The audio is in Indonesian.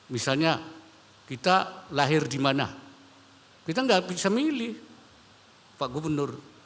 misalnya kita lahir di mana kita nggak bisa milih pak gubernur